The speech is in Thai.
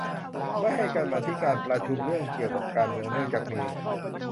ไม่ให้กรรมาธิการประชุมเรื่องเกี่ยวกับการเมืองเนื่องจากมี